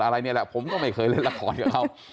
อะไรนี่แหละผมก็ไม่เคยเล่นละครกับเขา